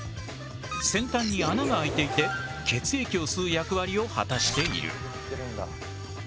先端に穴が開いていて血液を吸う役割を果たしている。